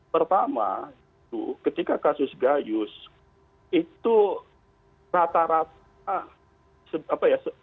pertama itu ketika kasus gayus itu rata rata apa ya